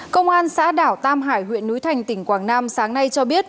công an xã đảo tam hải huyện núi thành tỉnh quảng nam sáng nay cho biết